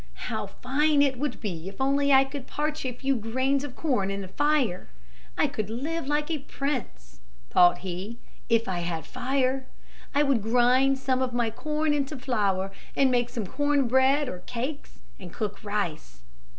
"How fine it would be if only I could parch a few grains of corn in the fire! I could like live a prince," thought he, "if I had fire. I would grind some of my corn into flour and make some corn bread or cakes and cook rice."